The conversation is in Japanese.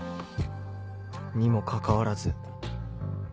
にもかかわらず